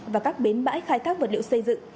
và các bến bãi khai thác vật liệu xây dựng